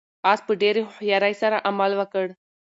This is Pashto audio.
آس په ډېرې هوښیارۍ سره عمل وکړ.